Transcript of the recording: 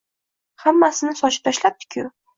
Hammasini sochib tashlabdi-ku!